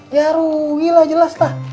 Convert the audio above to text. ya rugi lah jelas lah